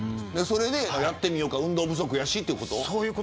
それでやってみようか運動不足やしってこと。